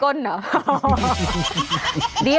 ต้องตีก้นหรอ